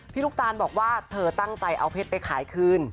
ลูกตาลบอกว่าเธอตั้งใจเอาเพชรไปขายคืน